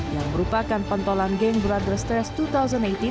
yang merupakan pentolan game brother stress dua ribu delapan belas